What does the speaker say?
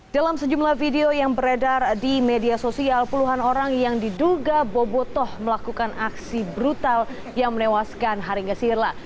dalam sejumlah video yang beredar di media sosial puluhan orang yang diduga bobotoh melakukan aksi brutal yang menewaskan haringa sirla